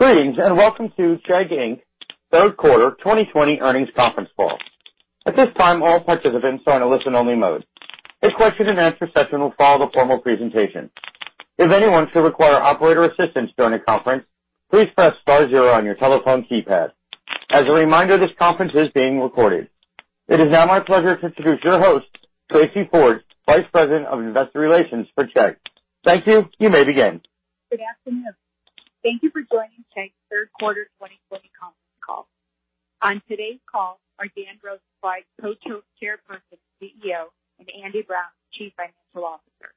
Greetings, welcome to Chegg, Inc's Third Quarter 2020 Earnings conference call. At this time, all participants are in a listen-only mode. A question-and-answer session will follow the formal presentation. If anyone should require operator assistance during the conference, please press star zero on your telephone keypad. As a reminder, this conference is being recorded. It is now my pleasure to introduce your host, Tracey Ford, Vice President of Investor Relations for Chegg. Thank you. You may begin. Good afternoon. Thank you for joining Chegg's third quarter 2020 conference call. On today's call are Dan Rosensweig, Co-Chairperson, CEO, and Andy Brown, Chief Financial Officer.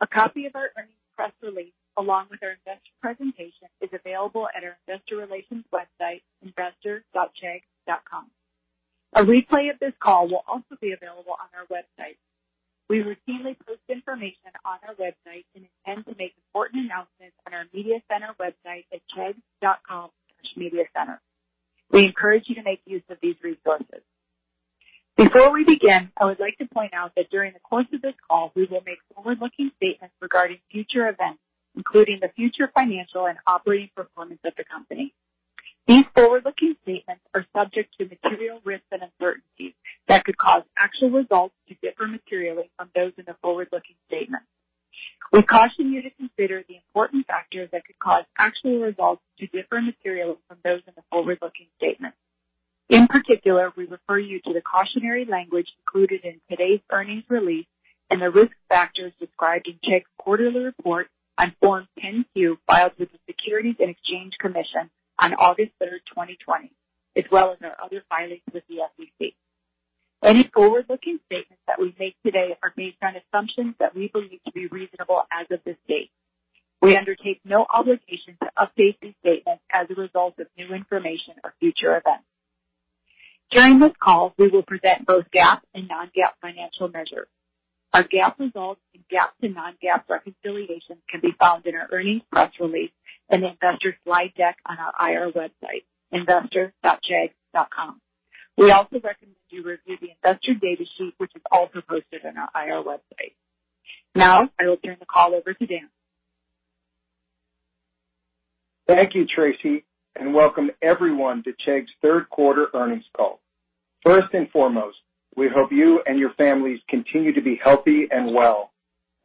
A copy of our earnings press release, along with our investor presentation, is available at our investor relations website, investor.chegg.com. A replay of this call will also be available on our website. We routinely post information on our website and intend to make important announcements on our media center website at chegg.com/mediacenter. We encourage you to make use of these resources. Before we begin, I would like to point out that during the course of this call, we will make forward-looking statements regarding future events, including the future financial and operating performance of the company. These forward-looking statements are subject to material risks and uncertainties that could cause actual results to differ materially from those in the forward-looking statements. We caution you to consider the important factors that could cause actual results to differ materially from those in the forward-looking statements. In particular, we refer you to the cautionary language included in today's earnings release and the risk factors described in Chegg's quarterly report on Form 10-Q filed with the Securities and Exchange Commission on August 3rd, 2020, as well as our other filings with the SEC. Any forward-looking statements that we make today are based on assumptions that we believe to be reasonable as of this date. We undertake no obligation to update these statements as a result of new information or future events. During this call, we will present both GAAP and non-GAAP financial measures. Our GAAP results and GAAP to non-GAAP reconciliations can be found in our earnings press release and investor slide deck on our IR website, investor.chegg.com. We also recommend you review the investor data sheet, which is also posted on our IR website. I will turn the call over to Dan. Thank you, Tracey, and welcome everyone to Chegg's third quarter earnings call. First and foremost, we hope you and your families continue to be healthy and well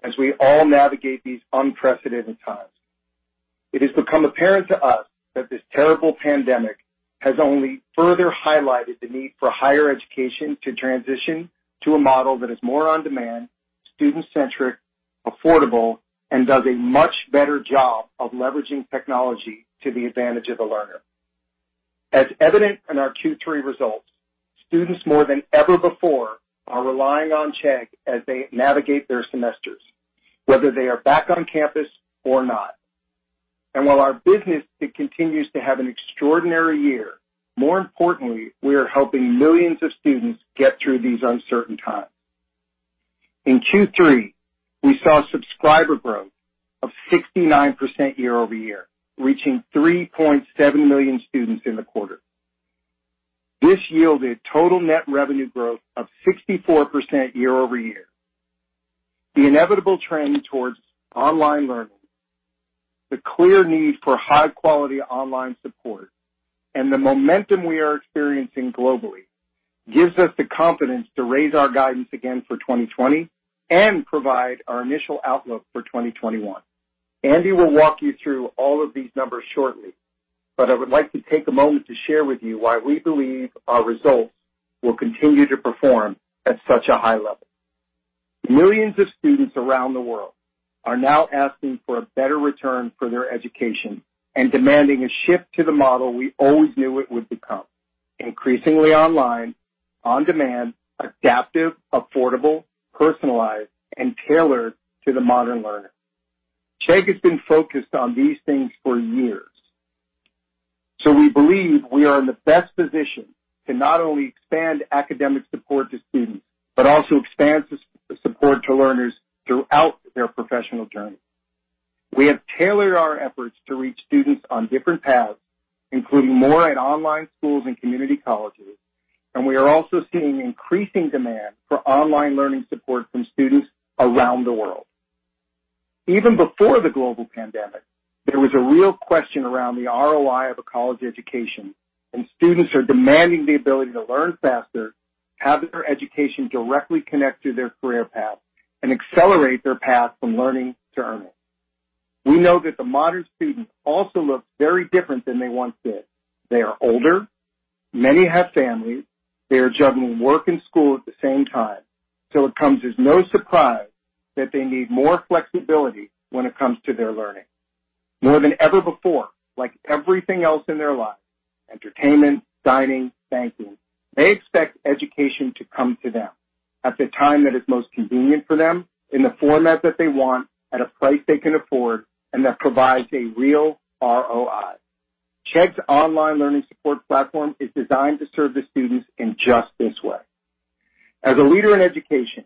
as we all navigate these unprecedented times. It has become apparent to us that this terrible pandemic has only further highlighted the need for higher education to transition to a model that is more on-demand, student-centric, affordable, and does a much better job of leveraging technology to the advantage of the learner. As evident in our Q3 results, students more than ever before are relying on Chegg as they navigate their semesters, whether they are back on campus or not. While our business continues to have an extraordinary year, more importantly, we are helping millions of students get through these uncertain times. In Q3, we saw subscriber growth of 69% year-over-year, reaching 3.7 million students in the quarter. This yielded total net revenue growth of 64% year-over-year. The inevitable trend towards online learning, the clear need for high-quality online support, and the momentum we are experiencing globally gives us the confidence to raise our guidance again for 2020 and provide our initial outlook for 2021. Andy will walk you through all of these numbers shortly, I would like to take a moment to share with you why we believe our results will continue to perform at such a high level. Millions of students around the world are now asking for a better return for their education and demanding a shift to the model we always knew it would become: increasingly online, on-demand, adaptive, affordable, personalized, and tailored to the modern learner. Chegg has been focused on these things for years. We believe we are in the best position to not only expand academic support to students but also expand support to learners throughout their professional journey. We have tailored our efforts to reach students on different paths, including more at online schools and community colleges, and we are also seeing increasing demand for online learning support from students around the world. Even before the global pandemic, there was a real question around the ROI of a college education, and students are demanding the ability to learn faster, have their education directly connect to their career path, and accelerate their path from learning to earning. We know that the modern student also looks very different than they once did. They are older. Many have families. They are juggling work and school at the same time. It comes as no surprise that they need more flexibility when it comes to their learning. More than ever before, like everything else in their lives, entertainment, dining, banking, they expect education to come to them at the time that is most convenient for them, in the format that they want, at a price they can afford, and that provides a real ROI. Chegg's online learning support platform is designed to serve the students in just this way. As a leader in education,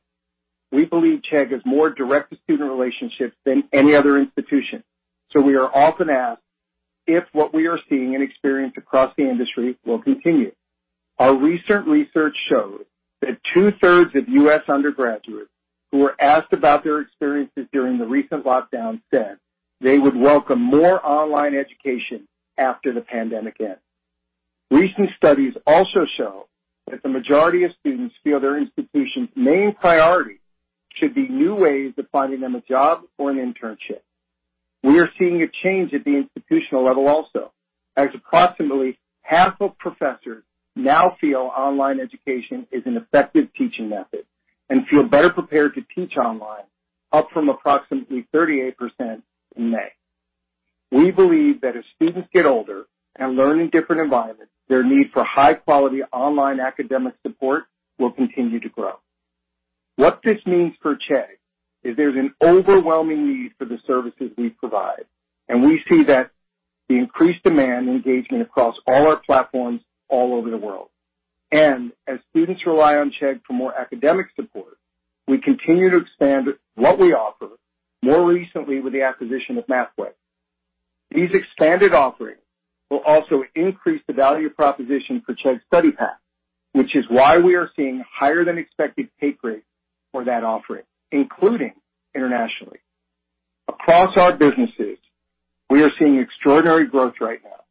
we believe Chegg has more direct student relationships than any other institution, so we are often asked if what we are seeing and experience across the industry will continue. Our recent research shows that two-thirds of U.S. undergraduates who were asked about their experiences during the recent lockdown said they would welcome more online education after the pandemic ends. Recent studies also show that the majority of students feel their institution's main priority should be new ways of finding them a job or an internship. We are seeing a change at the institutional level also, as approximately half of professors now feel online education is an effective teaching method and feel better prepared to teach online, up from approximately 38% in May. We believe that as students get older and learn in different environments, their need for high-quality online academic support will continue to grow. What this means for Chegg is there's an overwhelming need for the services we provide, and we see that the increased demand and engagement across all our platforms all over the world. As students rely on Chegg for more academic support, we continue to expand what we offer, more recently with the acquisition of Mathway. These expanded offerings will also increase the value proposition for Chegg Study Pack, which is why we are seeing higher than expected take rates for that offering, including internationally. Across our businesses, we are seeing extraordinary growth right now.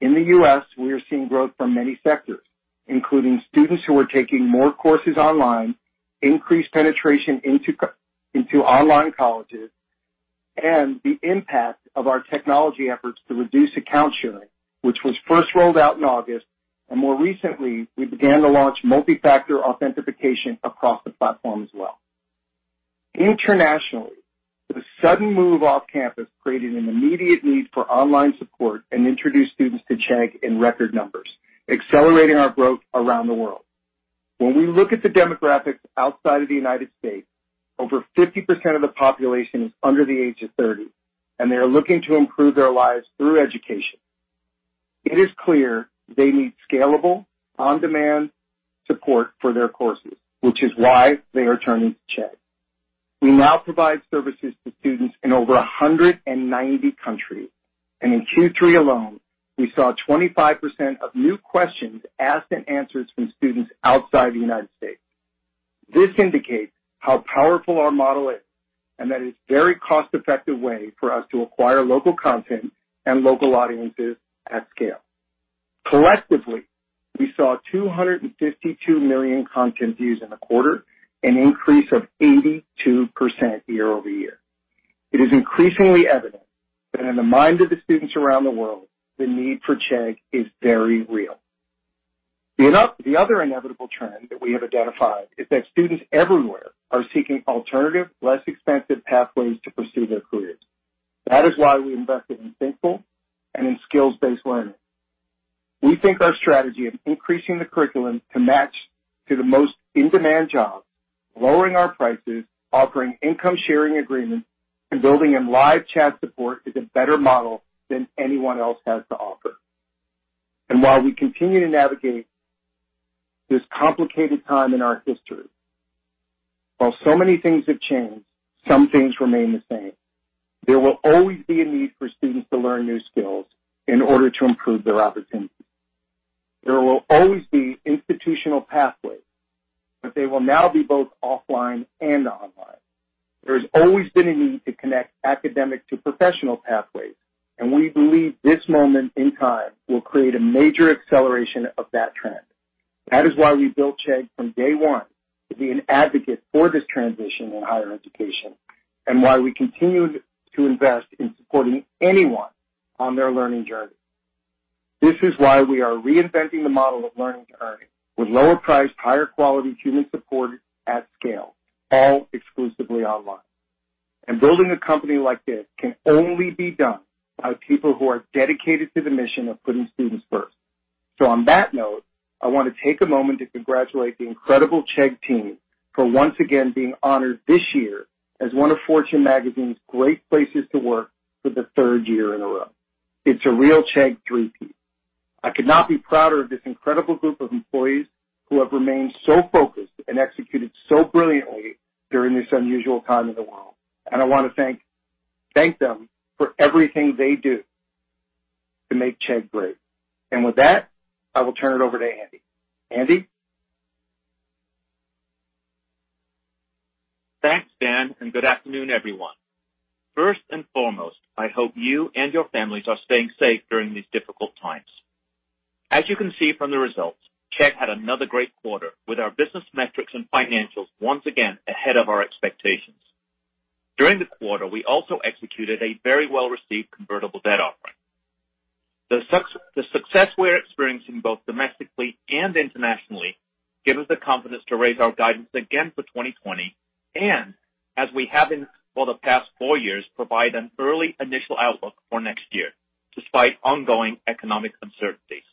In the U.S., we are seeing growth from many sectors, including students who are taking more courses online, increased penetration into online colleges, and the impact of our technology efforts to reduce account sharing, which was first rolled out in August. More recently, we began to launch multi-factor authentication across the platform as well. Internationally, the sudden move off-campus created an immediate need for online support and introduced students to Chegg in record numbers, accelerating our growth around the world. When we look at the demographics outside of the United States, over 50% of the population is under the age of 30, and they are looking to improve their lives through education. It is clear they need scalable, on-demand support for their courses, which is why they are turning to Chegg. We now provide services to students in over 190 countries. In Q3 alone, we saw 25% of new questions asked and answers from students outside the U.S. This indicates how powerful our model is, and that it's a very cost-effective way for us to acquire local content and local audiences at scale. Collectively, we saw 252 million content views in the quarter, an increase of 82% year-over-year. It is increasingly evident that in the mind of the students around the world, the need for Chegg is very real. The other inevitable trend that we have identified is that students everywhere are seeking alternative, less expensive pathways to pursue their careers. That is why we invested in Thinkful and in skills-based learning. We think our strategy of increasing the curriculum to match to the most in-demand jobs, lowering our prices, offering Income Share Agreements, and building in live chat support is a better model than anyone else has to offer. While we continue to navigate this complicated time in our history, while so many things have changed, some things remain the same. There will always be a need for students to learn new skills in order to improve their opportunities. There will always be institutional pathways, but they will now be both offline and online. There's always been a need to connect academic to professional pathways, and we believe this moment in time will create a major acceleration of that trend. That is why we built Chegg from day one to be an advocate for this transition in higher education and why we continued to invest in supporting anyone on their learning journey. This is why we are reinventing the model of learning to earning with lower priced, higher quality human support at scale, all exclusively online. Building a company like this can only be done by people who are dedicated to the mission of putting students first. On that note, I want to take a moment to congratulate the incredible Chegg team for once again being honored this year as one of Fortune Magazine's Great Places to Work for the third year in a row. It's a real Chegg three-peat. I could not be prouder of this incredible group of employees who have remained so focused and executed so brilliantly during this unusual time in the world. I want to thank them for everything they do to make Chegg great. With that, I will turn it over to Andy. Andy? Thanks, Dan, and good afternoon, everyone. First and foremost, I hope you and your families are staying safe during these difficult times. As you can see from the results, Chegg had another great quarter with our business metrics and financials once again ahead of our expectations. During the quarter, we also executed a very well-received convertible debt offering. The success we're experiencing both domestically and internationally give us the confidence to raise our guidance again for 2020 and, as we have been for the past four years, provide an early initial outlook for next year, despite ongoing economic uncertainties.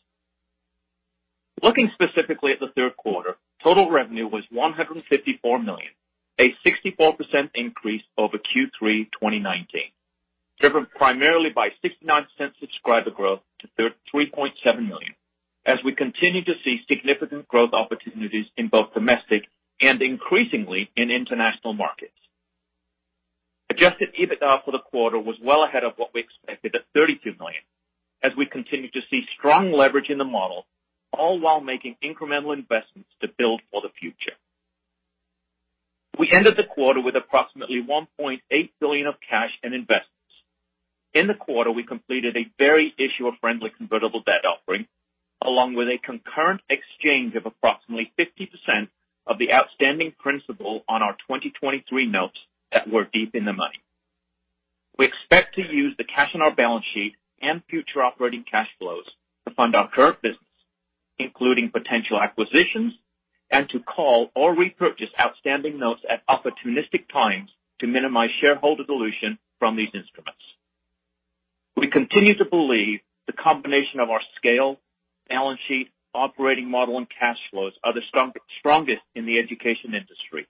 Looking specifically at the third quarter, total revenue was $154 million, a 64% increase over Q3 2019, driven primarily by 69% subscriber growth to 3.7 million as we continue to see significant growth opportunities in both domestic and increasingly in international markets. Adjusted EBITDA for the quarter was well ahead of what we expected at $32 million, as we continue to see strong leverage in the model, all while making incremental investments to build for the future. We ended the quarter with approximately $1.8 billion of cash and investments. In the quarter, we completed a very issuer-friendly convertible debt offering, along with a concurrent exchange of approximately 50% of the outstanding principal on our 2023 notes that were deep in the money. We expect to use the cash on our balance sheet and future operating cash flows to fund our current business, including potential acquisitions, and to call or repurchase outstanding notes at opportunistic times to minimize shareholder dilution from these instruments. We continue to believe the combination of our scale, balance sheet, operating model, and cash flows are the strongest in the education industry,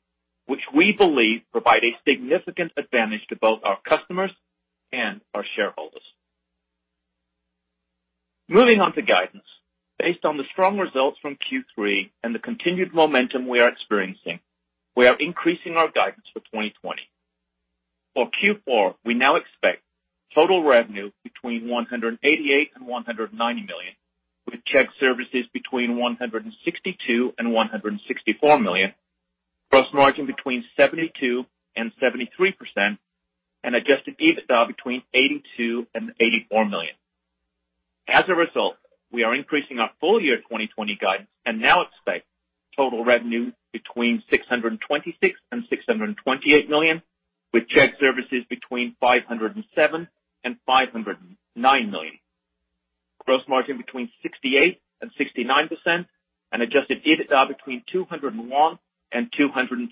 which we believe provide a significant advantage to both our customers and our shareholders. Moving on to guidance. Based on the strong results from Q3 and the continued momentum we are experiencing, we are increasing our guidance for 2020. For Q4, we now expect total revenue between $188 million and $190 million, with Chegg Services between $162 million and $164 million, gross margin between 72% and 73%, and adjusted EBITDA between $82 million and $84 million. As a result, we are increasing our full-year 2020 guidance and now expect total revenue between $626 million and $628 million, with Chegg Services between $507 million and $509 million, gross margin between 68% and 69%, and adjusted EBITDA between $201 million and $203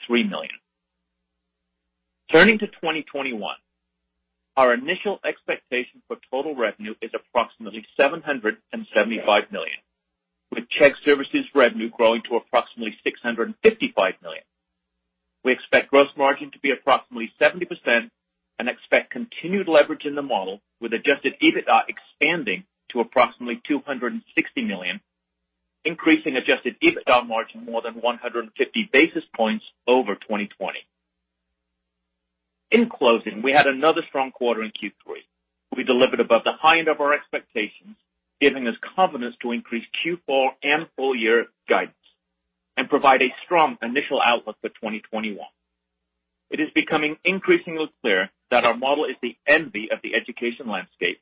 million. Turning to 2021, our initial expectation for total revenue is approximately $775 million, with Chegg Services revenue growing to approximately $655 million. We expect gross margin to be approximately 70% and expect continued leverage in the model, with adjusted EBITDA expanding to approximately $260 million, increasing adjusted EBITDA margin more than 150 basis points over 2020. In closing, we had another strong quarter in Q3. We delivered above the high end of our expectations, giving us confidence to increase Q4 and full-year guidance and provide a strong initial outlook for 2021. It is becoming increasingly clear that our model is the envy of the education landscape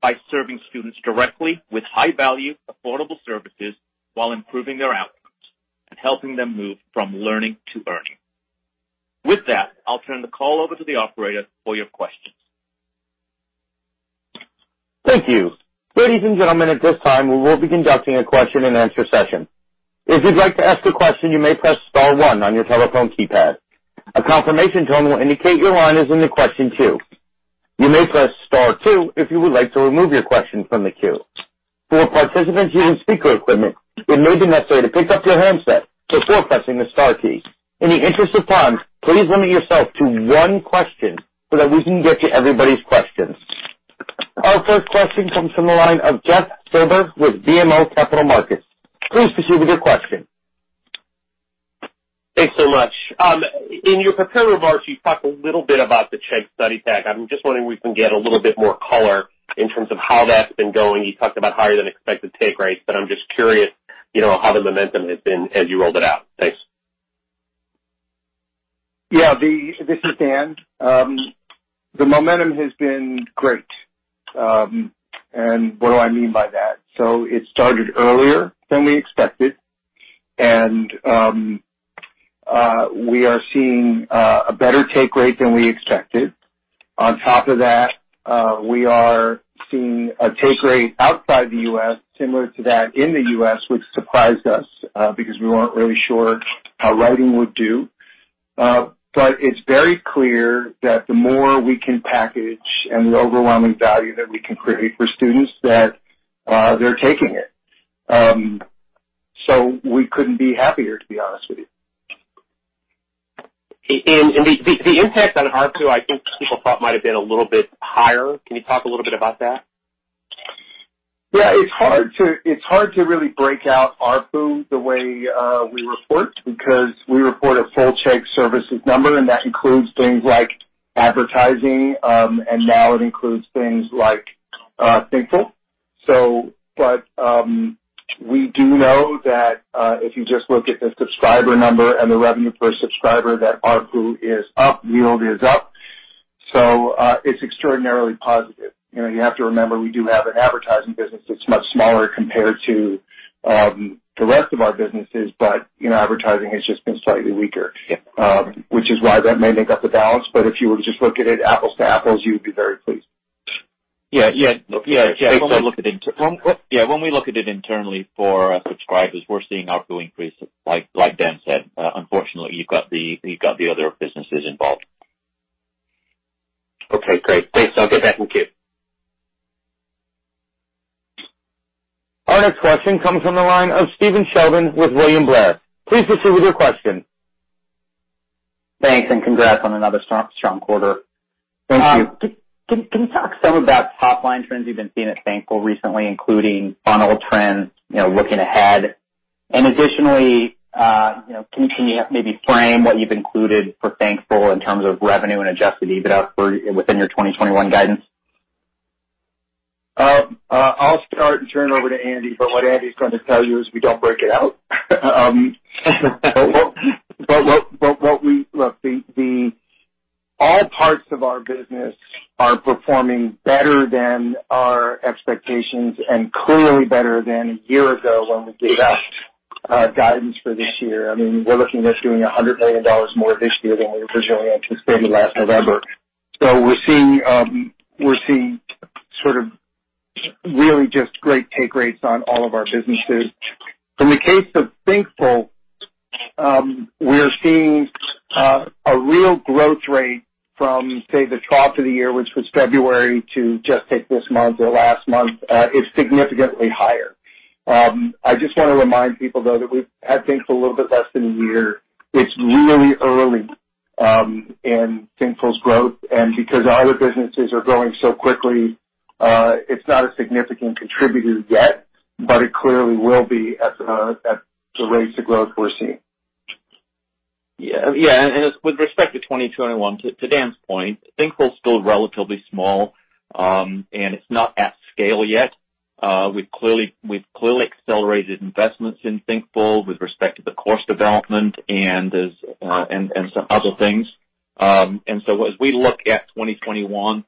by serving students directly with high-value, affordable services while improving their outcomes and helping them move from learning to earning. With that, I'll turn the call over to the operator for your questions. Thank you. Ladies and gentlemen, at this time, we will be conducting a question-and-answer session. In the interest of time, please limit yourself to one question so that we can get to everybody's questions. Our first question comes from the line of Jeff Silber with BMO Capital Markets. Please proceed with your question. Thanks so much. In your prepared remarks, you talked a little bit about the Chegg Study Pack. I'm just wondering if we can get a little bit more color in terms of how that's been going. You talked about higher than expected take rates, but I'm just curious how the momentum has been as you rolled it out. Thanks. Yeah. This is Dan. The momentum has been great. What do I mean by that? It started earlier than we expected, and we are seeing a better take rate than we expected. On top of that, we are seeing a take rate outside the U.S. similar to that in the U.S., which surprised us because we weren't really sure how Writing would do. It's very clear that the more we can package and the overwhelming value that we can create for students, that they're taking it. We couldn't be happier, to be honest with you. The impact on ARPU, I think people thought might have been a little bit higher. Can you talk a little bit about that? Yeah. It's hard to really break out ARPU the way we report because we report a full Chegg Services number, and that includes things like advertising, and now it includes things like Thinkful. We do know that if you just look at the subscriber number and the revenue per subscriber, that ARPU is up, yield is up. It's extraordinarily positive. You have to remember, we do have an advertising business that's much smaller compared to the rest of our businesses. Advertising has just been slightly weaker. Yeah. Which is why that may make up the balance. If you were to just look at it apples to apples, you would be very pleased. Yeah. When we look at it internally for subscribers, we're seeing ARPU increase, like Dan said. Unfortunately, you've got the other businesses involved. Okay, great. Thanks. I'll get back in queue. Our next question comes from the line of Stephen Sheldon with William Blair. Please proceed with your question. Thanks, and congrats on another strong quarter. Thank you. Can you talk some about top-line trends you've been seeing at Thinkful recently, including funnel trends, looking ahead? Additionally, can you maybe frame what you've included for Thinkful in terms of revenue and adjusted EBITDA within your 2021 guidance? I'll start and turn it over to Andy, but what Andy's going to tell you is we don't break it out. Look, all parts of our business are performing better than our expectations and clearly better than a year ago when we gave out guidance for this year. We're looking at doing $100 million more this year than we originally anticipated last November. We're seeing really just great take rates on all of our businesses. In the case of Thinkful, we're seeing a real growth rate from, say, the top of the year, which was February, to just take this month or last month, is significantly higher. I just want to remind people, though, that we've had Thinkful a little bit less than a year. It's really early in Thinkful's growth. Because our other businesses are growing so quickly, it's not a significant contributor yet, but it clearly will be at the rates of growth we're seeing. Yeah. With respect to 2021, to Dan's point, Thinkful's still relatively small, and it's not at scale yet. We've clearly accelerated investments in Thinkful with respect to the course development and some other things. As we look at 2021,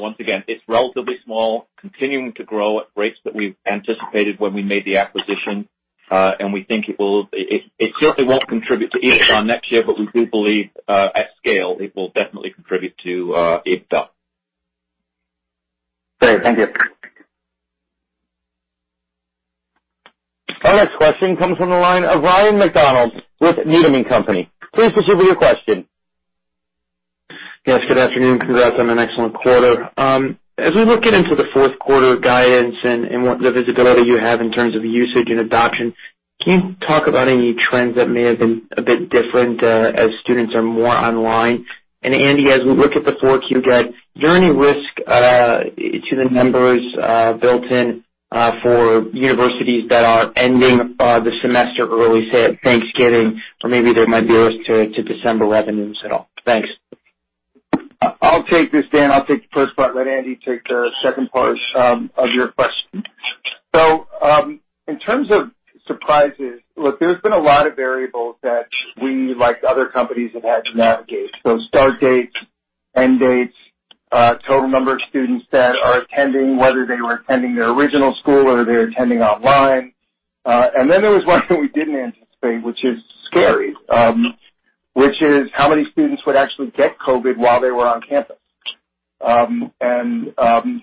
once again, it's relatively small, continuing to grow at rates that we've anticipated when we made the acquisition. It certainly won't contribute to EBITDA next year, but we do believe, at scale, it will definitely contribute to EBITDA. Great. Thank you. Our next question comes from the line of Ryan MacDonald with Needham & Company. Please proceed with your question. Yes, good afternoon. Congrats on an excellent quarter. As we look into the fourth quarter guidance and what visibility you have in terms of usage and adoption, can you talk about any trends that may have been a bit different as students are more online? Andy, as we look at the 4Q guide, is there any risk to the numbers built in for universities that are ending the semester early, say, at Thanksgiving, or maybe there might be a risk to December revenues at all? Thanks. I'll take this, Dan. I'll take the first part and let Andy take the second part of your question. In terms of surprises, look, there's been a lot of variables that we, like other companies, have had to navigate. Start dates, end dates, total number of students that are attending, whether they were attending their original school or they're attending online. Then there was one thing we didn't anticipate, which is scary, which is how many students would actually get COVID while they were on campus.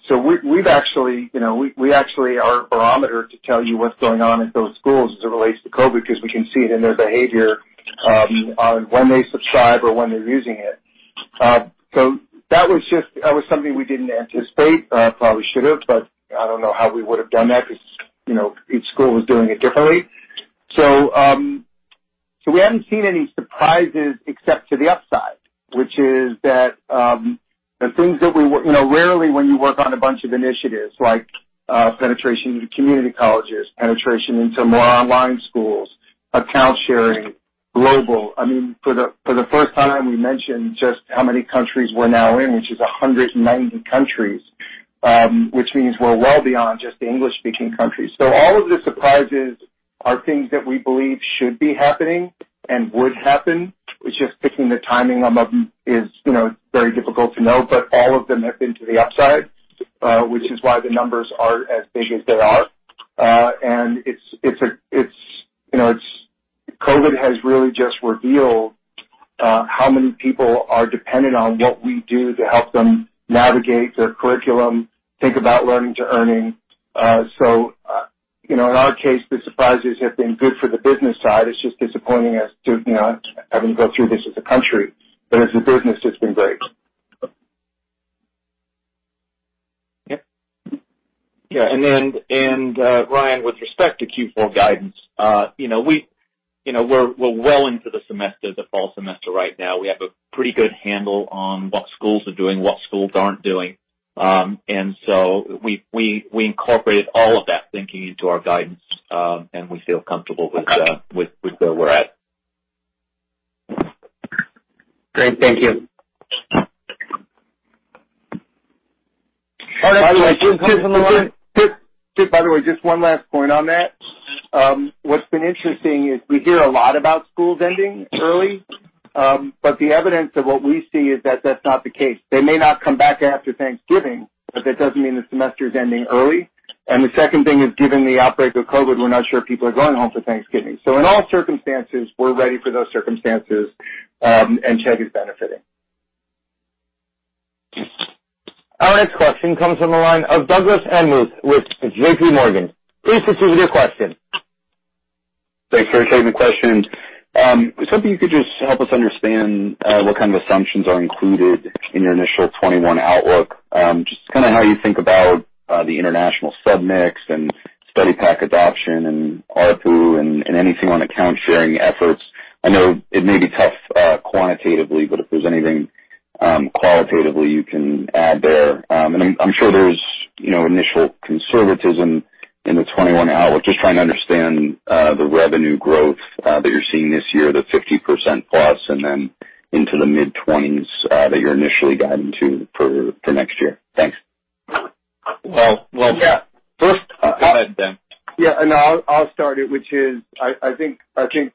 So we actually are a barometer to tell you what's going on at those schools as it relates to COVID because we can see it in their behavior on when they subscribe or when they're using it. That was something we didn't anticipate. Probably should have, but I don't know how we would have done that because each school was doing it differently. We haven't seen any surprises except to the upside, which is that the things that rarely when you work on a bunch of initiatives like penetration into community colleges, penetration into more online schools, account sharing, global. For the first time, we mentioned just how many countries we're now in, which is 190 countries, which means we're well beyond just the English-speaking countries. All of the surprises are things that we believe should be happening and would happen. It's just picking the timing of them is very difficult to know. All of them have been to the upside, which is why the numbers are as big as they are. COVID has really just revealed how many people are dependent on what we do to help them navigate their curriculum, think about learning to earning. In our case, the surprises have been good for the business side. It's just disappointing as to having to go through this as a country. As a business, it's been great. Yeah. Ryan, with respect to Q4 guidance, we're well into the semester, the fall semester right now. We have a pretty good handle on what schools are doing, what schools aren't doing. We incorporated all of that thinking into our guidance, and we feel comfortable with where we're at. Great. Thank you. By the way, just one last point on that. What's been interesting is we hear a lot about schools ending early, but the evidence of what we see is that that's not the case. They may not come back after Thanksgiving, but that doesn't mean the semester is ending early. The second thing is, given the outbreak of COVID, we're not sure if people are going home for Thanksgiving. In all circumstances, we're ready for those circumstances, and Chegg is benefiting. Our next question comes from the line of Douglas Anmuth with JPMorgan. Please proceed with your question. Thanks for taking the question. I was hoping you could just help us understand what kind of assumptions are included in your initial 2021 outlook. Just how you think about the international sub-mix and Study Pack adoption and ARPU and anything on account sharing efforts. I know it may be tough quantitatively, but if there's anything qualitatively you can add there. I'm sure there's initial conservatism in the 2021 outlook. Just trying to understand the revenue growth that you're seeing this year, the 50%+, and then into the mid-20s that you're initially guiding to for next year. Thanks. Well- Yeah. First- Go ahead, Dan. I'll start it, which is, I think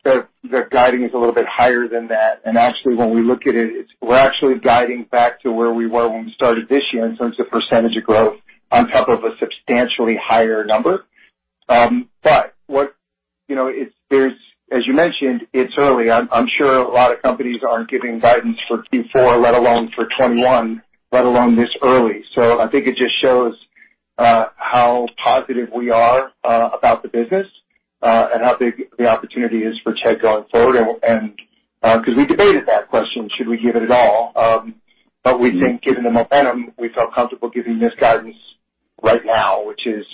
their guiding is a little bit higher than that. Actually when we look at it, we're actually guiding back to where we were when we started this year in terms of percentage of growth on top of a substantially higher number. As you mentioned, it's early. I'm sure a lot of companies aren't giving guidance for Q4, let alone for 2021, let alone this early. I think it just shows how positive we are about the business, and how big the opportunity is for Chegg going forward. Because we debated that question, should we give it at all? We think given the momentum, we felt comfortable giving this guidance right now, which is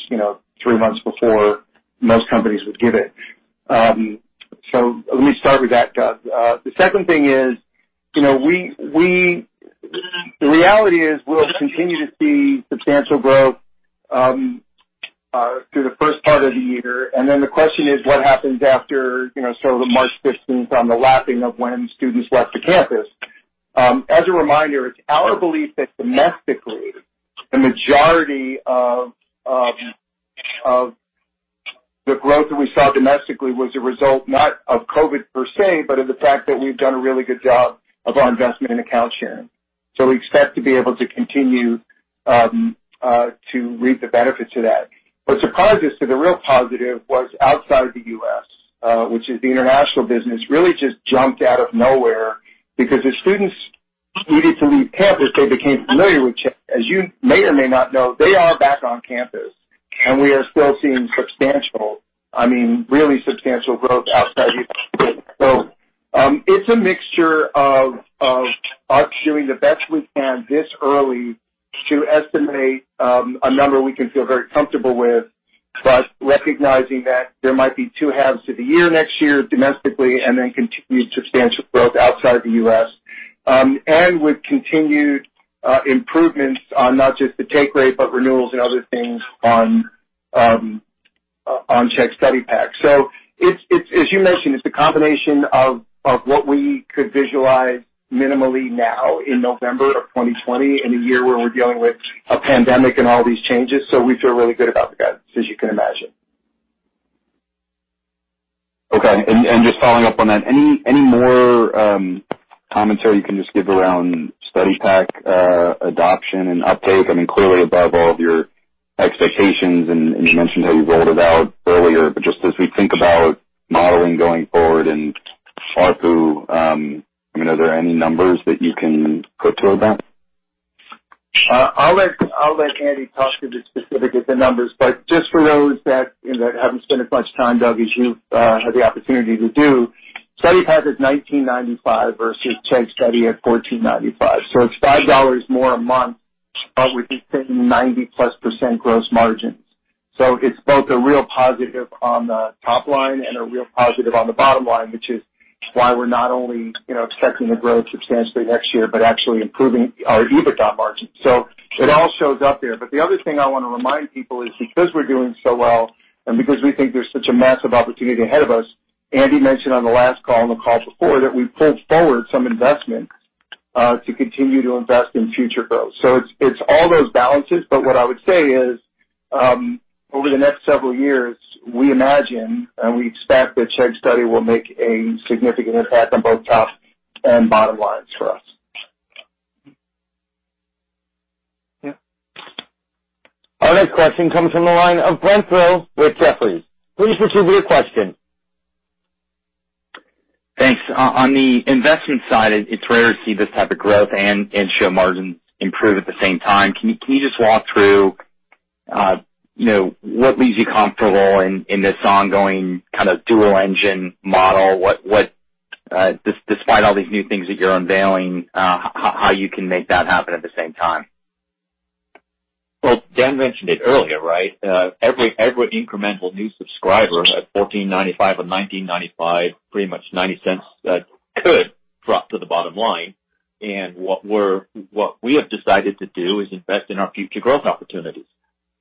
three months before most companies would give it. Let me start with that, Doug. The second thing is, the reality is we'll continue to see substantial growth through the first part of the year. The question is what happens after, so the March 15th on the lapping of when students left to campus. As a reminder, it's our belief that domestically, the majority of the growth that we saw domestically was a result, not of COVID per se, but of the fact that we've done a really good job of our investment in account sharing. We expect to be able to continue to reap the benefits of that. What surprised us to the real positive was outside of the U.S., which is the international business, really just jumped out of nowhere because the students needed to leave campus. They became familiar with Chegg. As you may or may not know, they are back on campus, and we are still seeing substantial, I mean, really substantial growth outside the [U.S.] It's a mixture of us doing the best we can this early to estimate a number we can feel very comfortable with, but recognizing that there might be two halves to the year next year domestically, and then continued substantial growth outside the U.S. With continued improvements on not just the take rate, but renewals and other things on Chegg Study Pack. As you mentioned, it's a combination of what we could visualize minimally now in November of 2020, in a year where we're dealing with a pandemic and all these changes. We feel really good about the guidance, as you can imagine. Okay, just following up on that, any more commentary you can just give around Study Pack adoption and uptake? I mean, clearly above all of your expectations, and you mentioned how you rolled it out earlier, but just as we think about modeling going forward and ARPU, are there any numbers that you can go to with that? I'll let Andy talk to the specific of the numbers. Just for those that haven't spent as much time, Doug, as you've had the opportunity to do, Chegg Study Pack is $19.95 versus Chegg Study at $14.95. It's $5 more a month. We've been seeing 90+% gross margins. It's both a real positive on the top line and a real positive on the bottom line, which is why we're not only expecting to grow substantially next year, but actually improving our EBITDA margin. It all shows up there. The other thing I want to remind people is because we're doing so well and because we think there's such a massive opportunity ahead of us, Andy mentioned on the last call and the call before that we pulled forward some investments to continue to invest in future growth. It's all those balances. What I would say is, over the next several years, we imagine and we expect that Chegg Study will make a significant impact on both top and bottom lines for us. Yeah. Our next question comes from the line of Brent Thill with Jefferies. Please proceed with your question. Thanks. On the investment side, it's rare to see this type of growth and show margin improve at the same time. Can you just walk through what leaves you comfortable in this ongoing dual engine model? Despite all these new things that you're unveiling, how you can make that happen at the same time? Well, Dan mentioned it earlier, right? Every incremental new subscriber at $14.95 or $19.95, pretty much $0.90 could drop to the bottom line. What we have decided to do is invest in our future growth opportunities,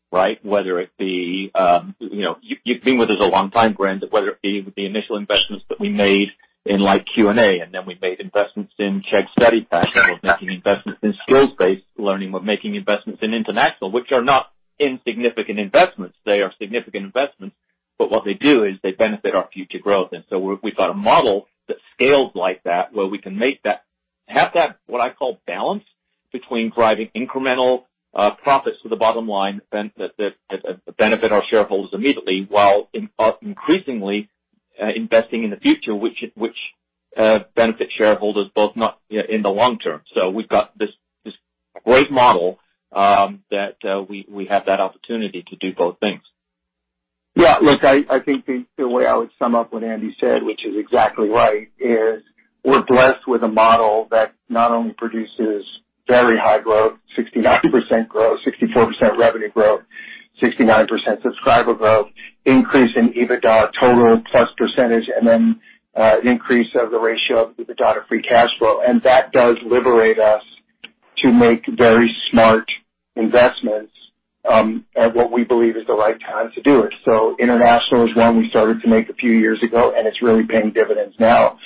right? You've been with us a long time, Brent, whether it be the initial investments that we made in, like, Q&A, and then we made investments in Chegg Study Pack. We're making investments in skills-based learning. We're making investments in international, which are not insignificant investments. They are significant investments, but what they do is they benefit our future growth. We've got a model that scales like that, where we can have that, what I call balance between driving incremental profits to the bottom line that benefit our shareholders immediately while increasingly investing in the future, which benefits shareholders both in the long term. We've got this great model, that we have that opportunity to do both things. Look, I think the way I would sum up what Andy said, which is exactly right, is we're blessed with a model that not only produces very high growth, 69% growth, 64% revenue growth, 69% subscriber growth, increase in EBITDA total plus percentage, and then increase of the ratio of EBITDA to free cash flow. That does liberate us to make very smart investments at what we believe is the right time to do it. International is one we started to make a few years ago, and it's really paying dividends now.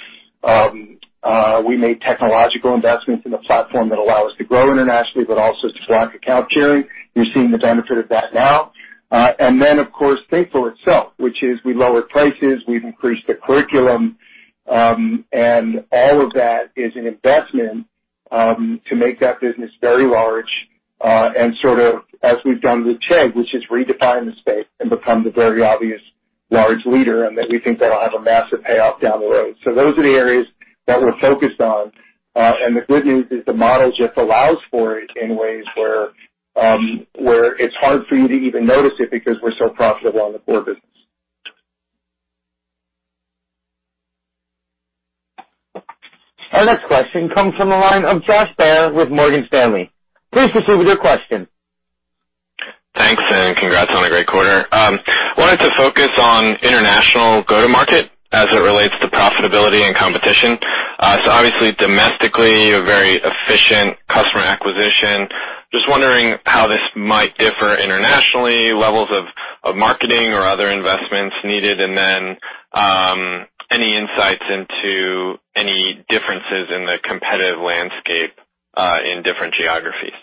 We made technological investments in the platform that allow us to grow internationally, but also to drive account sharing. You're seeing the benefit of that now. Of course, Thinkful itself, which is we lowered prices, we've increased the curriculum. All of that is an investment, to make that business very large, and sort of as we've done with Chegg, which is redefine the space and become the very obvious large leader, and that we think that'll have a massive payoff down the road. Those are the areas that we're focused on. The good news is the model just allows for it in ways where it's hard for you to even notice it because we're so profitable on the core business. Our next question comes from the line of Josh Baer with Morgan Stanley. Please proceed with your question. Thanks. Congrats on a great quarter. Wanted to focus on international go-to-market as it relates to profitability and competition. Obviously domestically, a very efficient customer acquisition. Just wondering how this might differ internationally, levels of marketing or other investments needed, any insights into any differences in the competitive landscape, in different geographies.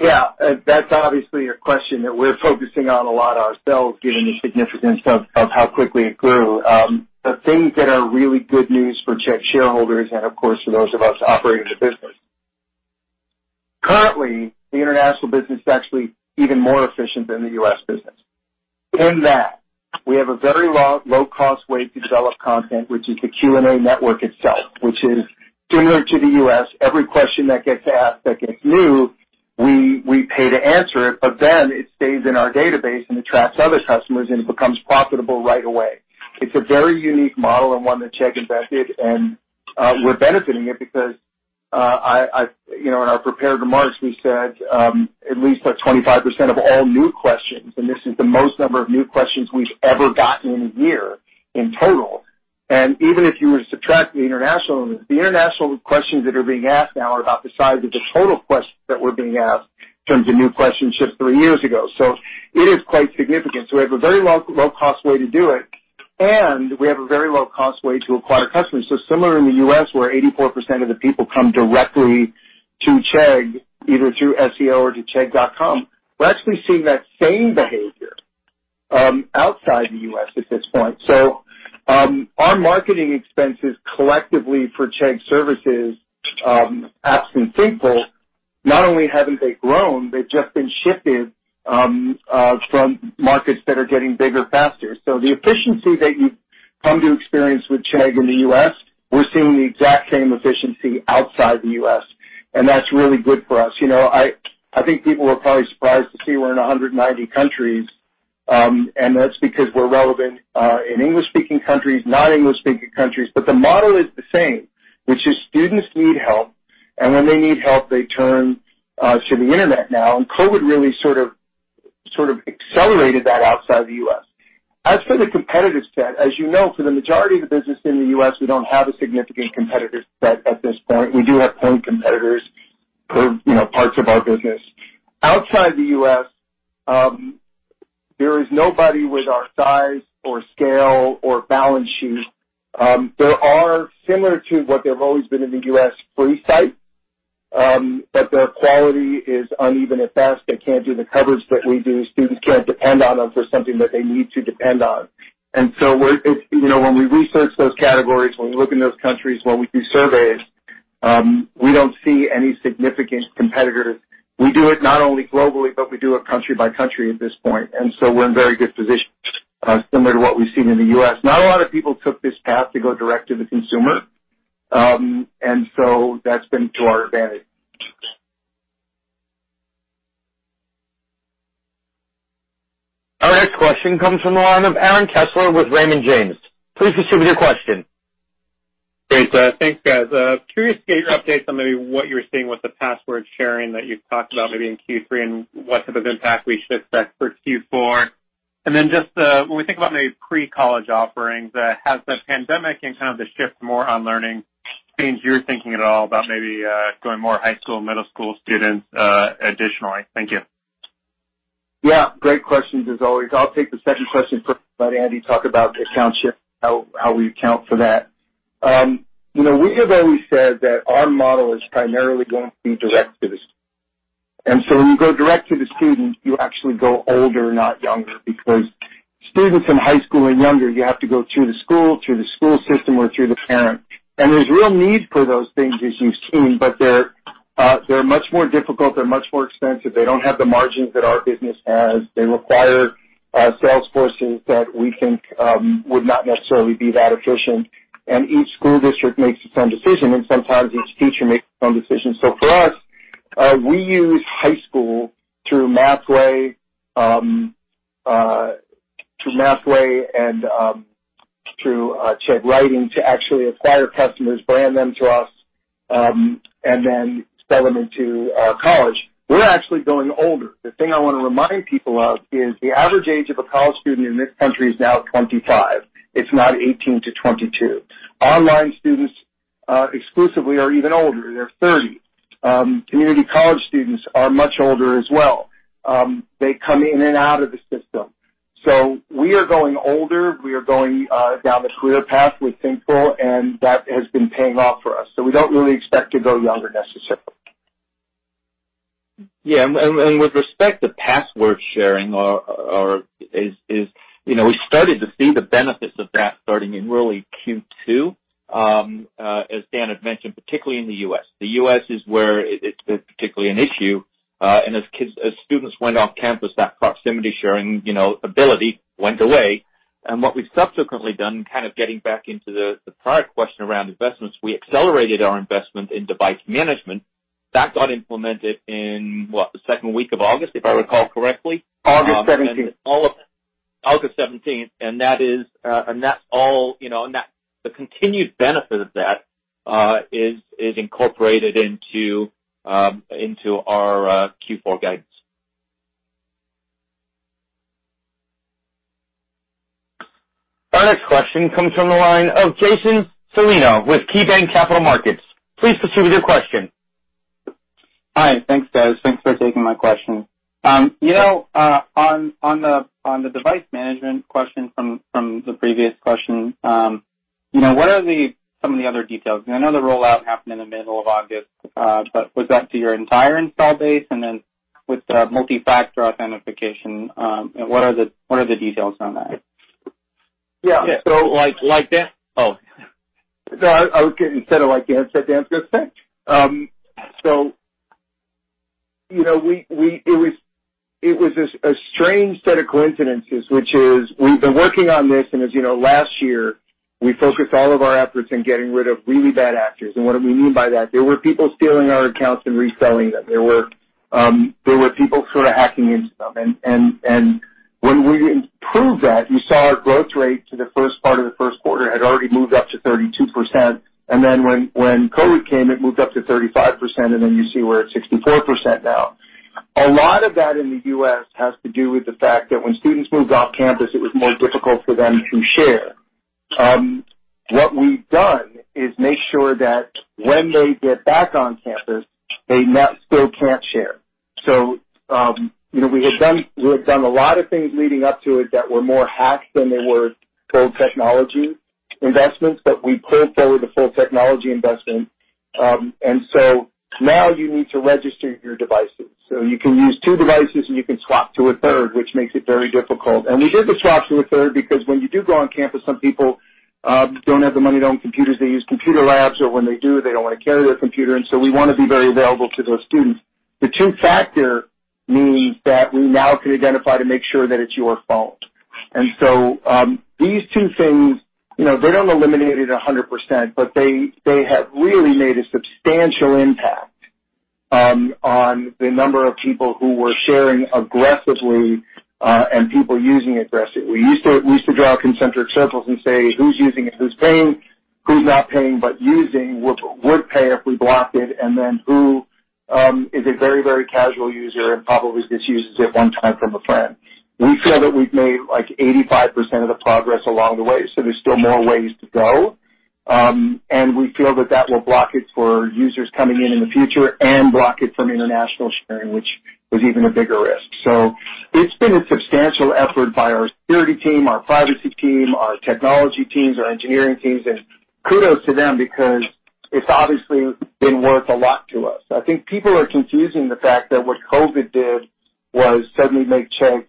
Yeah. That's obviously a question that we're focusing on a lot ourselves, given the significance of how quickly it grew. The things that are really good news for Chegg shareholders, and of course, for those of us operating the business. Currently, the international business is actually even more efficient than the U.S. business. In that we have a very low-cost way to develop content, which is the Q&A network itself, which is similar to the U.S. Every question that gets asked that gets new, we pay to answer it, but then it stays in our database and attracts other customers, and it becomes profitable right away. It's a very unique model and one that Chegg invested and we're benefiting it because in our prepared remarks, we said, at least 25% of all new questions. This is the most number of new questions we've ever gotten in a year in total. Even if you were to subtract the international, the international questions that are being asked now are about the size of the total questions that were being asked in terms of new questions just three years ago. It is quite significant. We have a very low-cost way to do it, and we have a very low-cost way to acquire customers. Similar in the U.S., where 84% of the people come directly to Chegg, either through SEO or to chegg.com, we're actually seeing that same behavior outside the U.S. at this point. Our marketing expenses collectively for Chegg Services, absent Thinkful, not only haven't they grown, they've just been shifted from markets that are getting bigger faster. The efficiency that you've come to experience with Chegg in the U.S., we're seeing the exact same efficiency outside the U.S., and that's really good for us. I think people were probably surprised to see we're in 190 countries, and that's because we're relevant, in English-speaking countries, non-English speaking countries. The model is the same, which is students need help, and when they need help, they turn to the internet now. COVID really sort of accelerated that outside the U.S. As for the competitive set, as you know, for the majority of the business in the U.S., we don't have a significant competitive set at this point. We do have point competitors for parts of our business. Outside the U.S., there is nobody with our size or scale or balance sheet. There are similar to what they've always been in the U.S. free site, their quality is uneven at best. They can't do the coverage that we do. Students can't depend on them for something that they need to depend on. When we research those categories, when we look in those countries, when we do surveys, we don't see any significant competitors. We do it not only globally, but we do it country by country at this point, and so we're in a very good position, similar to what we've seen in the U.S. Not a lot of people took this path to go direct to the consumer, and so that's been to our advantage. Our next question comes from the line of Aaron Kessler with Raymond James. Please proceed with your question. Great. Thanks, guys. Curious to get your updates on maybe what you're seeing with the password sharing that you've talked about maybe in Q3, and what type of impact we should expect for Q4. Then just when we think about maybe pre-college offerings, has the pandemic and kind of the shift more on learning changed your thinking at all about maybe going more high school, middle school students additionally? Thank you. Yeah, great questions as always. I'll take the second question first, let Andy talk about the account shift, how we account for that. We have always said that our model is primarily going to be direct to the student. When you go direct to the student, you actually go older, not younger, because students in high school and younger, you have to go through the school, through the school system or through the parent. There's real need for those things, as you've seen, but they're much more difficult. They're much more expensive. They don't have the margins that our business has. They require sales forces that we think would not necessarily be that efficient. Each school district makes its own decision, and sometimes each teacher makes its own decision. For us, we use high school through Mathway and Chegg Writing to actually acquire customers, brand them to us, and then sell them into college. We're actually going older. The thing I want to remind people of is the average age of a college student in this country is now 25. It's not 18 to 22. Online students, exclusively, are even older. They're 30. Community college students are much older as well. They come in and out of the system. We are going older. We are going down the career path with Thinkful, and that has been paying off for us. We don't really expect to go younger necessarily. Yeah, with respect to password sharing, we started to see the benefits of that starting in really Q2, as Dan had mentioned, particularly in the U.S. The U.S. is where it's been particularly an issue. As students went off campus, that proximity sharing ability went away. What we've subsequently done, kind of getting back into the prior question around investments, we accelerated our investment in device management. That got implemented in, what? The second week of August, if I recall correctly. August 17th. August 17th. The continued benefit of that is incorporated into our Q4 guidance. Our next question comes from the line of Jason Celino with KeyBanc Capital Markets. Please proceed with your question. Hi. Thanks, guys. Thanks for taking my question. On the device management question from the previous question, what are some of the other details? I know the rollout happened in the middle of August. Was that to your entire install base? With the multi-factor authentication, what are the details on that? Yeah. Yeah. It was a strange set of coincidences, which is we've been working on this, and as you know, last year, we focused all of our efforts in getting rid of really bad actors. What do we mean by that? There were people stealing our accounts and reselling them. There were people sort of hacking into them. When we improved that, you saw our growth rate to the first part of the first quarter had already moved up to 32%. Then when COVID came, it moved up to 35%, and then you see we're at 64% now. A lot of that in the U.S. has to do with the fact that when students moved off campus, it was more difficult for them to share. What we've done is make sure that when they get back on campus, they still can't share. We had done a lot of things leading up to it that were more hacks than they were full technology investments, but we pulled forward a full technology investment. Now you need to register your devices. You can use two devices, and you can swap to a third, which makes it very difficult. We did the swap to a third because when you do go on campus, some people don't have the money to own computers. They use computer labs, or when they do, they don't want to carry their computer. We want to be very available to those students. The two-factor means that we now can identify to make sure that it's your phone. These two things, they don't eliminate it 100%, but they have really made a substantial impact on the number of people who were sharing aggressively, and people using aggressively. We used to draw concentric circles and say, "Who's using it? Who's paying? Who's not paying but using, would pay if we blocked it, and then who is a very casual user and probably just uses it one time from a friend?" We feel that we've made 85% of the progress along the way, there's still more ways to go. We feel that that will block it for users coming in in the future and block it from international sharing, which was even a bigger risk. It's been a substantial effort by our security team, our privacy team, our technology teams, our engineering teams, and kudos to them because it's obviously been worth a lot to us. I think people are confusing the fact that what COVID did was suddenly make Chegg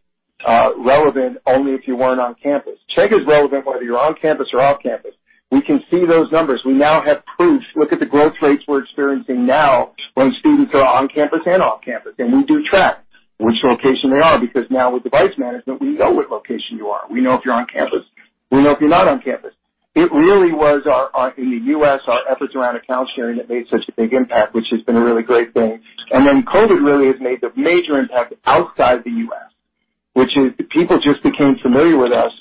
relevant only if you weren't on campus. Chegg is relevant whether you're on campus or off campus. We can see those numbers. We now have proof. Look at the growth rates we're experiencing now when students are on campus and off campus. We do track which location they are because now with device management, we know what location you are. We know if you're on campus, we know if you're not on campus. It really was in the U.S., our efforts around account sharing that made such a big impact, which has been a really great thing. COVID really has made the major impact outside the U.S., which is people just became familiar with us.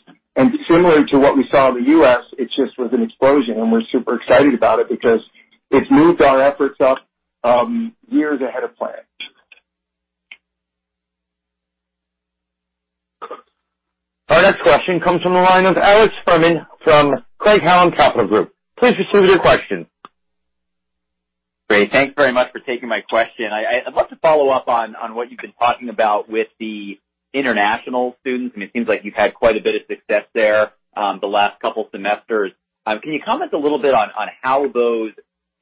Similar to what we saw in the U.S., it just was an explosion, and we're super excited about it because it's moved our efforts up years ahead of plan. Our next question comes from the line of Alex Fuhrman from Craig-Hallum Capital Group. Please proceed with your question. Great. Thanks very much for taking my question. I'd love to follow up on what you've been talking about with the international students. I mean, it seems like you've had quite a bit of success there the last couple semesters. Can you comment a little bit on how those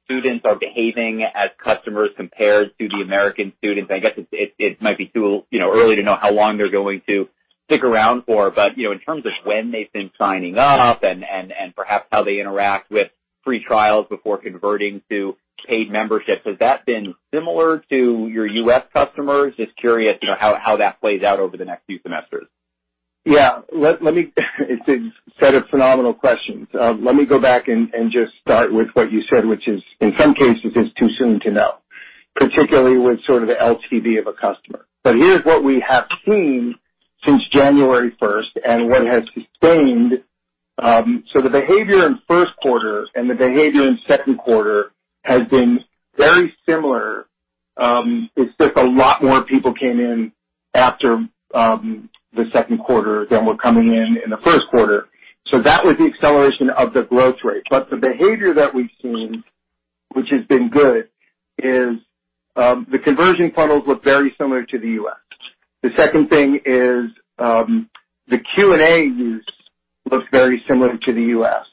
students are behaving as customers compared to the American students? I guess it might be too early to know how long they're going to stick around for, but in terms of when they've been signing up and perhaps how they interact with free trials before converting to paid memberships, has that been similar to your U.S. customers? Just curious how that plays out over the next few semesters. Yeah. It's a set of phenomenal questions. Let me go back and just start with what you said, which is in some cases, it's too soon to know. Particularly with sort of the LTV of a customer. Here's what we have seen since January 1st and what has sustained. The behavior in first quarter and the behavior in second quarter has been very similar. It's just a lot more people came in after the second quarter than were coming in in the first quarter. That was the acceleration of the growth rate. The behavior that we've seen, which has been good, is the conversion funnels look very similar to the U.S. The second thing is, the Q&A use looks very similar to the U.S.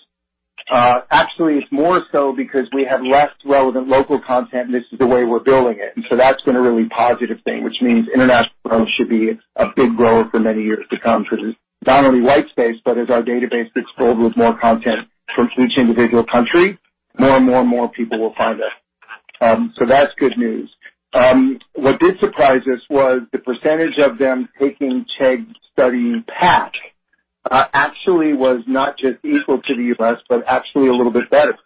Actually, it's more so because we have less relevant local content, and this is the way we're building it. That's been a really positive thing, which means international growth should be a big growth for many years to come, because it's not only white space, but as our database gets filled with more content from each individual country, more and more people will find us. That's good news. What did surprise us was the percentage of them taking Chegg Study Pack actually was not just equal to the U.S., but actually a little bit better,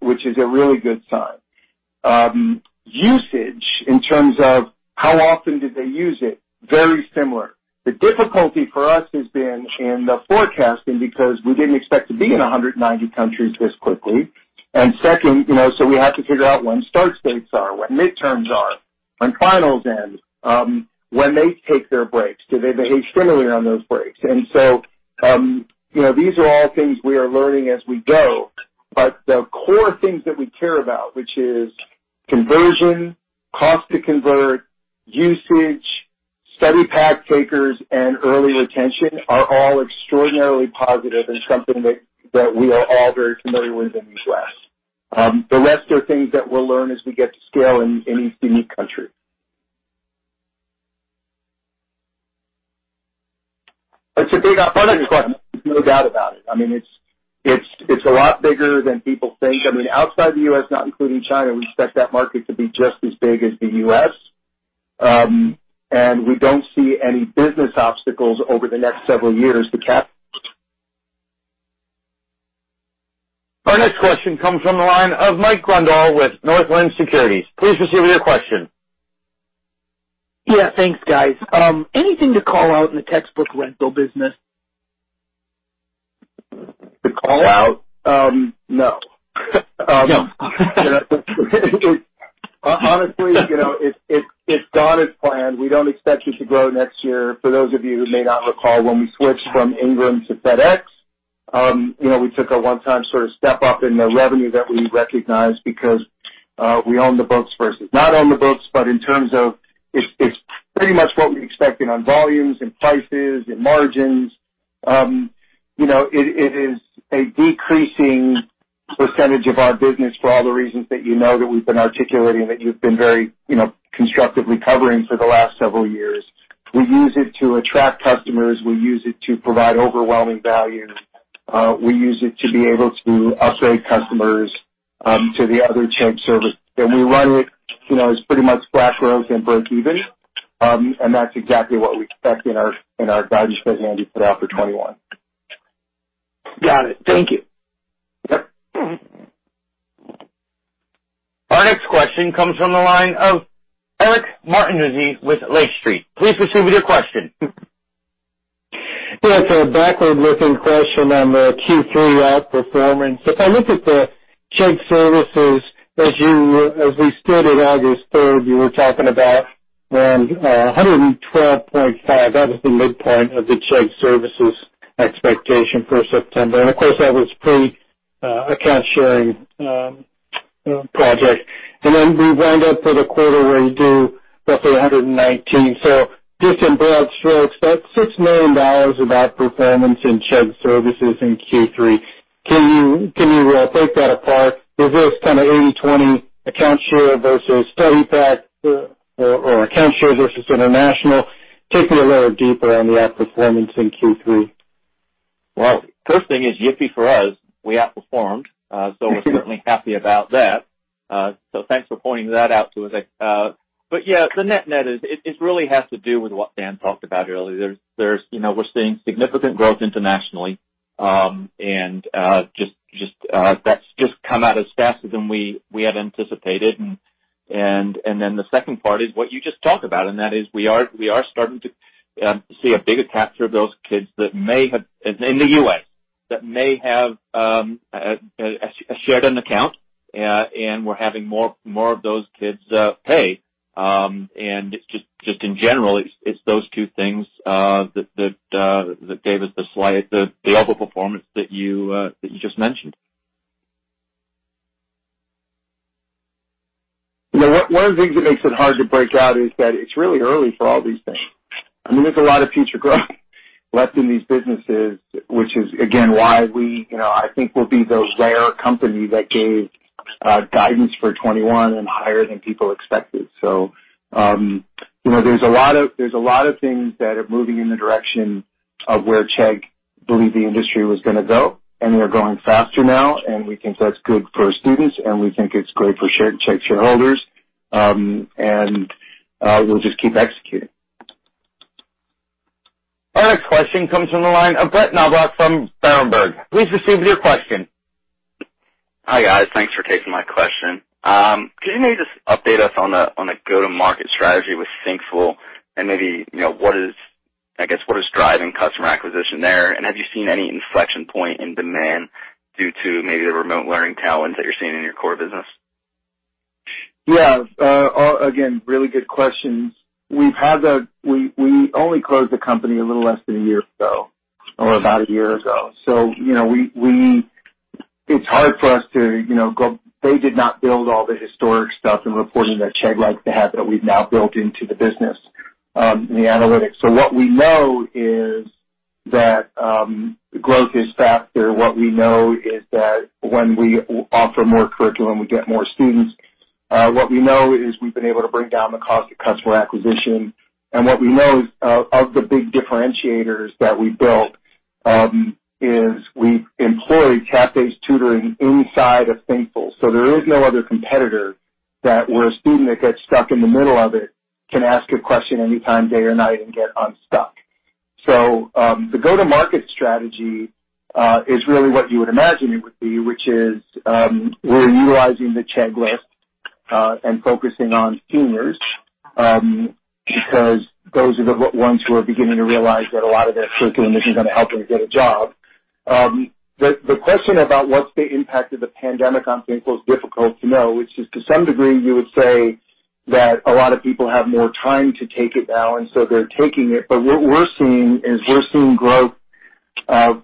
which is a really good sign. Usage in terms of how often did they use it, very similar. The difficulty for us has been in the forecasting because we didn't expect to be in 190 countries this quickly. Second, we have to figure out when start dates are, when midterms are, when finals end, when they take their breaks. Do they behave similarly on those breaks? These are all things we are learning as we go. But the core things that we care about, which is conversion, cost to convert, usage, Study Pack takers, and early retention are all extraordinarily positive and something that we are all very familiar with in the U.S. The rest are things that we'll learn as we get to scale in each unique country. It's a big opportunity. There's no doubt about it. It's a lot bigger than people think. Outside the U.S., not including China, we expect that market to be just as big as the U.S. We don't see any business obstacles over the next several years to cap. Our next question comes from the line of Mike Grondahl with Northland Securities. Please proceed with your question. Yeah, thanks, guys. Anything to call out in the textbook rental business? To call out? No. No. Honestly, it's on as planned. We don't expect it to grow next year. For those of you who may not recall, when we switched from Ingram to FedEx, we took a one-time sort of step-up in the revenue that we recognized because we own the books versus not own the books. In terms of, it's pretty much what we expected on volumes and prices and margins. It is a decreasing percentage of our business for all the reasons that you know, that we've been articulating, that you've been very constructively covering for the last several years. We use it to attract customers. We use it to provide overwhelming value. We use it to be able to upgrade customers to the other Chegg service. We run it's pretty much cash flows and breakeven. That's exactly what we expect in our guidance that Andy put out for 2021. Got it. Thank you. Yep. Our next question comes from the line of Eric Martinuzzi with Lake Street. Please proceed with your question. Yeah, it's a backward-looking question on the Q3 outperformance. If I look at the Chegg Services, as we stood at August 3rd, you were talking about around $112.5 million. That was the midpoint of the Chegg Services expectation for September. Of course, that was pre-account sharing project. Then we wind up for the quarter where you do roughly $119 million. Just in broad strokes, that's $6 million of outperformance in Chegg Services in Q3. Can you break that apart? Is this kind of 80/20 account share versus Study Pack or account share versus international? Take me a little deeper on the outperformance in Q3. First thing is yippee for us, we outperformed. We're certainly happy about that. Thanks for pointing that out to us. The net is, it really has to do with what Dan talked about earlier. We're seeing significant growth internationally. That's just come out as faster than we had anticipated. The second part is what you just talked about. That is we are starting to see a bigger capture of those kids that may have, in the U.S., that may have shared an account. We're having more of those kids pay. Just in general, it's those two things that gave us the outperformance that you just mentioned. One of the things that makes it hard to break out is that it's really early for all these things. There's a lot of future growth left in these businesses, which is again, why we, I think we'll be the rare company that gave guidance for 2021 and higher than people expected. There's a lot of things that are moving in the direction of where Chegg believed the industry was going to go, and they're growing faster now, and we think that's good for students, and we think it's great for Chegg shareholders. We'll just keep executing. Our next question comes from the line of Brett Knoblauch from Berenberg. Please proceed with your question. Hi, guys. Thanks for taking my question. Could you maybe just update us on the go-to-market strategy with Thinkful and maybe, I guess, what is driving customer acquisition there? Have you seen any inflection point in demand due to maybe the remote learning tailwinds that you're seeing in your core business? Again, really good questions. We only closed the company a little less than a year ago or about a year ago. It's hard for us to go They did not build all the historic stuff and reporting that Chegg likes to have that we've now built into the business, in the analytics. What we know is that growth is faster. What we know is that when we offer more curriculum, we get more students. What we know is we've been able to bring down the cost of customer acquisition. What we know is, of the big differentiators that we built, is we've employed chat-based tutoring inside of Thinkful. There is no other competitor that where a student that gets stuck in the middle of it can ask a question anytime, day or night, and get unstuck. The go-to-market strategy is really what you would imagine it would be, which is we're utilizing the Chegg list, and focusing on seniors, because those are the ones who are beginning to realize that a lot of their curriculum isn't going to help them get a job. The question about what's the impact of the pandemic on Thinkful is difficult to know. To some degree, you would say that a lot of people have more time to take it now, they're taking it. What we're seeing is we're seeing growth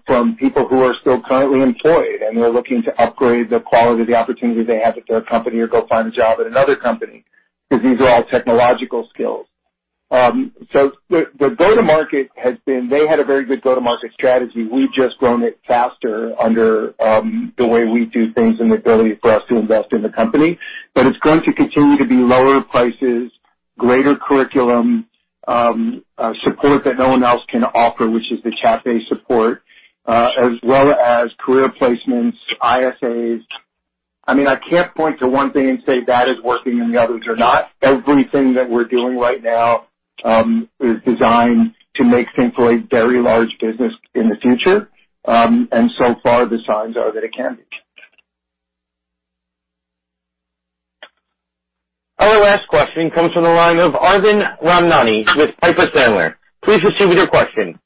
from people who are still currently employed, and they're looking to upgrade the quality of the opportunity they have at their company or go find a job at another company, because these are all technological skills. The go-to-market has been they had a very good go-to-market strategy. We've just grown it faster under the way we do things and the ability for us to invest in the company. It's going to continue to be lower prices, greater curriculum, support that no one else can offer, which is the Chegg support, as well as career placements, ISAs. I mean, I can't point to one thing and say that is working and the others are not. Everything that we're doing right now is designed to make Thinkful a very large business in the future. So far, the signs are that it can be. Our last question comes from the line of Arvind Ramnani with Piper Sandler. Please proceed with your question.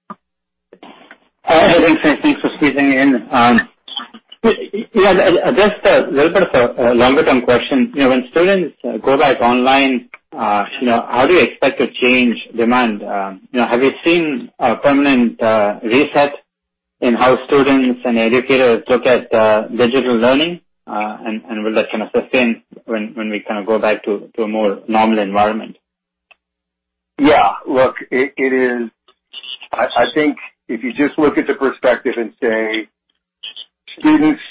Hi, Dan and Andy, thanks for squeezing in. Yeah, just a little bit of a longer-term question. When students go back online, how do you expect to change demand? Have you seen a permanent reset in how students and educators look at digital learning? Will that kind of sustain when we go back to a more normal environment? Yeah. Look, I think if you just look at the perspective and say students,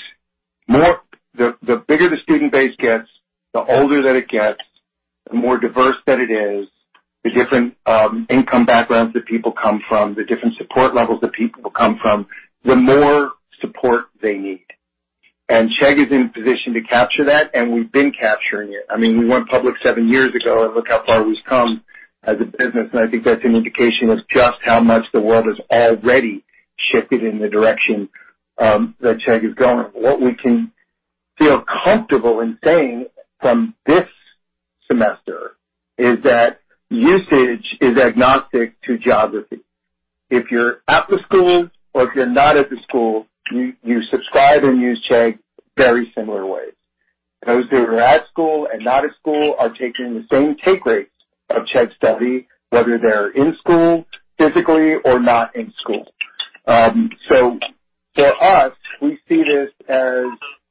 the bigger the student base gets, the older that it gets, the more diverse that it is, the different income backgrounds that people come from, the different support levels that people come from, the more support they need. Chegg is in a position to capture that, and we've been capturing it. I mean, we went public seven years ago, and look how far we've come as a business, and I think that's an indication of just how much the world has already shifted in the direction that Chegg is going. What we can feel comfortable in saying from this semester is that usage is agnostic to geography. If you're at the school or if you're not at the school, you subscribe and use Chegg very similar ways. Those who are at school and not at school are taking the same take rates of Chegg Study, whether they're in school physically or not in school. For us, we see this as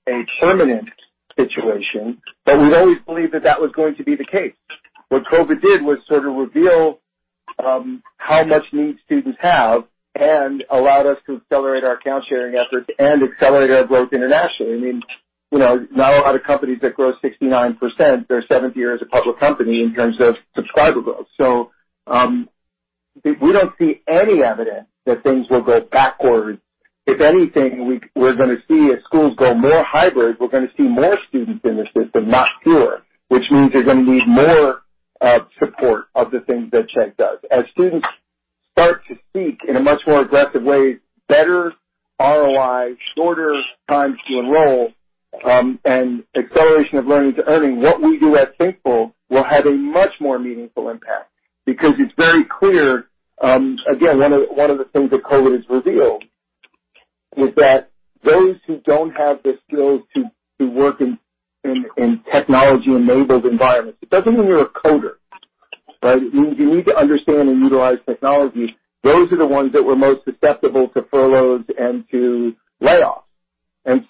a permanent situation, but we've always believed that that was going to be the case. What COVID did was sort of reveal how much need students have and allowed us to accelerate our account sharing efforts and accelerate our growth internationally. I mean, not a lot of companies that grow 69% their seventh year as a public company in terms of subscriber growth. We don't see any evidence that things will go backwards. If anything, we're going to see as schools go more hybrid, we're going to see more students in the system, not fewer, which means they're going to need more support of the things that Chegg does. As students start to seek, in a much more aggressive way, better ROIs, shorter times to enroll, and acceleration of learning to earning, what we do at Thinkful will have a much more meaningful impact. It's very clear, again, one of the things that COVID has revealed is that those who don't have the skills to work in technology-enabled environments, it doesn't mean you're a coder, right? You need to understand and utilize technology. Those are the ones that were most susceptible to furloughs and to layoffs.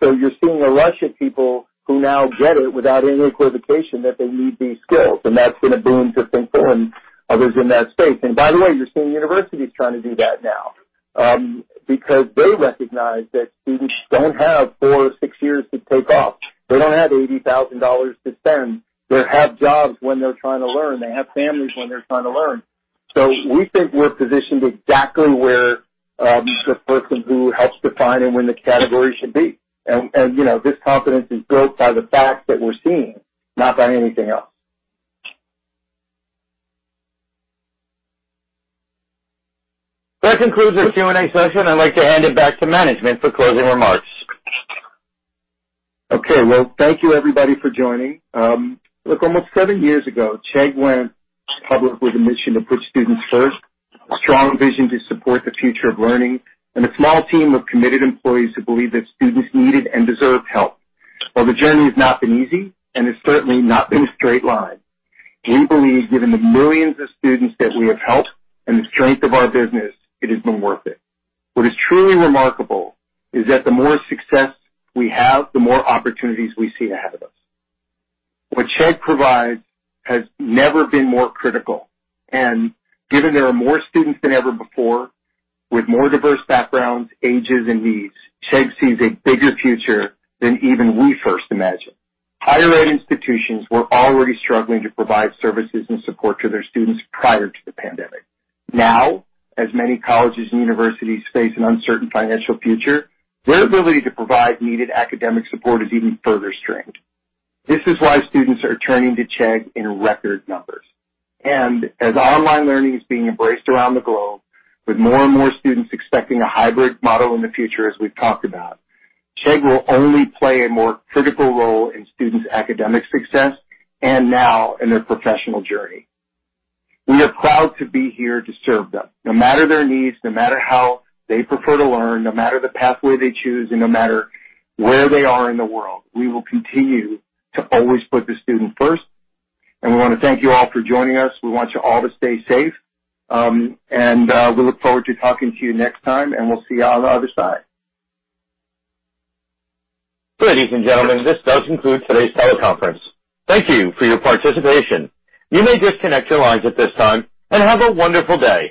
You're seeing a rush of people who now get it without any equivocation that they need these skills, and that's going to boom to Thinkful and others in that space. By the way, you're seeing universities trying to do that now, because they recognize that students don't have four or six years to take off. They don't have $80,000 to spend. They have jobs when they're trying to learn. They have families when they're trying to learn. We think we're positioned exactly where the person who helps define and win the category should be. This confidence is built by the facts that we're seeing, not by anything else. That concludes our Q&A session. I'd like to hand it back to management for closing remarks. Okay. Well, thank you everybody for joining. Look, almost seven years ago, Chegg went public with a mission to put students first, a strong vision to support the future of learning, and a small team of committed employees who believed that students needed and deserved help. While the journey has not been easy and has certainly not been a straight line, we believe given the millions of students that we have helped and the strength of our business, it has been worth it. What is truly remarkable is that the more success we have, the more opportunities we see ahead of us. What Chegg provides has never been more critical, and given there are more students than ever before with more diverse backgrounds, ages, and needs, Chegg sees a bigger future than even we first imagined. Higher ed institutions were already struggling to provide services and support to their students prior to the pandemic. Now, as many colleges and universities face an uncertain financial future, their ability to provide needed academic support is even further strained. This is why students are turning to Chegg in record numbers. As online learning is being embraced around the globe, with more and more students expecting a hybrid model in the future, as we've talked about, Chegg will only play a more critical role in students' academic success and now in their professional journey. We are proud to be here to serve them, no matter their needs, no matter how they prefer to learn, no matter the pathway they choose, and no matter where they are in the world. We will continue to always put the student first, and we want to thank you all for joining us. We want you all to stay safe. We look forward to talking to you next time, and we'll see you on the other side. Ladies and gentlemen, this does conclude today's teleconference. Thank you for your participation. You may disconnect your lines at this time, and have a wonderful day.